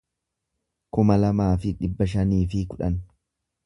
kuma lamaa fi dhibba shanii fi kudhan